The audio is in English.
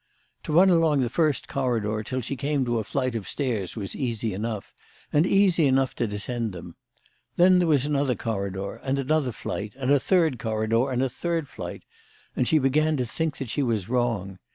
To run along the first corridor till she came to a flight of stairs was easy enough, and easy enough to descend them. Then there was another corridor, and another flight, and a third corridor, and a third flight, and she began to think that she was wrong.